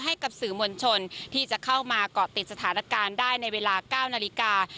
ให้กับสื่อมวลชนที่จะเข้ามาเกาะติดสถานการณ์ได้ในเวลา๙นาฬิกา